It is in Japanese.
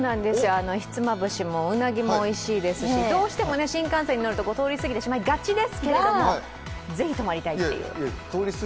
ひつまぶしも、うなぎもおいしいですし、どうしても新幹線に乗ると通りすぎてしまいがちですけど、ぜひ泊まりたいです。